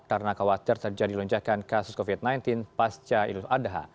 karena khawatir terjadi lonjakan kasus covid sembilan belas pasca idul adha